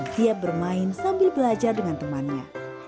siap bermain sambil belajar dengan temannya